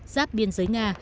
giáp biên giới nga